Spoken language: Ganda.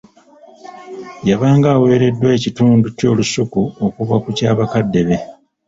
Yabanga aweereddwa ekitundu ky'olusuku okuva ku kyabakaddebe.